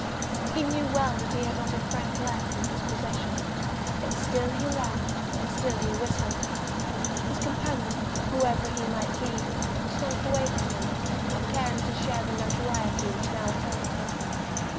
He knew well that he had not a franc left in his possession, but still he laughed and still he whistled. His companion, whoever he might be, had slunk away from him, not caring to share the notoriety which now attended him.